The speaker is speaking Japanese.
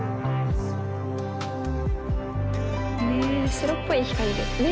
白っぽい光ですね。